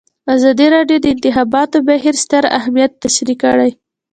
ازادي راډیو د د انتخاباتو بهیر ستر اهميت تشریح کړی.